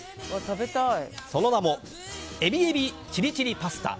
その名もエビエビチリチリパスタ。